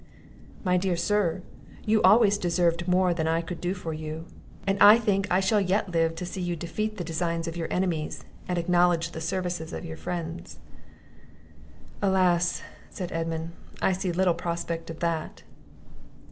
"My dear sir, you always deserved more than I could do for you; and I think I shall yet live to see you defeat the designs of your enemies, and acknowledge the services of your friends." "Alas!" said Edmund, "I see little prospect of that!"